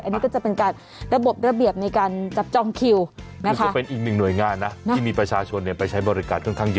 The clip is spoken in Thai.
อันนี้ก็จะเป็นการระบบระเบียบในการจับจองคิวมันก็เป็นอีกหนึ่งหน่วยงานนะที่มีประชาชนไปใช้บริการค่อนข้างเยอะ